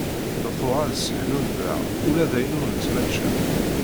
Beqquɣ ad seḥnunḍeɣ ula dayen ur nettmačča.